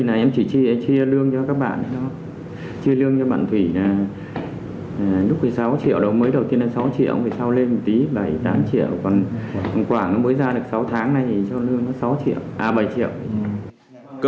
tỉ lương anh chia thì em chỉ chia lương cho các bạn chia lương cho bạn thủy lúc thì sáu triệu đồng mới đầu tiên là sáu triệu sau lên một tí bảy tám triệu còn quảng mới ra được sáu tháng nay thì cho lương nó bảy triệu